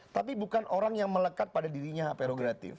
tapi bukan orang yang melekat pada dirinya aperogatif